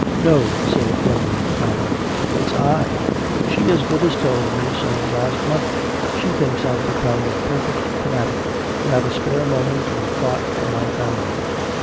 "No," said Deborah calmly, "it's I. She as good as told me so last month. She thinks I've become a perfect fanatic without a spare moment or thought for my family."